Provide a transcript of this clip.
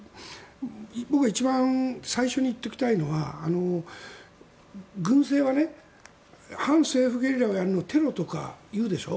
僕が一番最初に言っておきたいのは軍政は反政府ゲリラをやるのをテロとか言うでしょ？